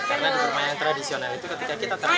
karena permainan tradisional itu ketika kita terletak